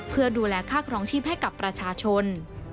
เพื่อดูแลค่าครองชีพให้กับประชาชน